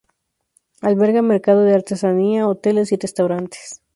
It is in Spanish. Alberga mercado de artesanía, hoteles y restaurantes.